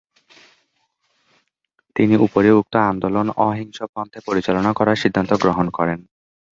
তিনি উপরিউক্ত আন্দোলন অহিংস পন্থায় পরিচালনা করার সিদ্ধান্ত গ্রহণ করেন।